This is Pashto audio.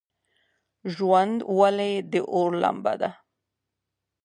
ژوند ولې د اور لمبه ده؟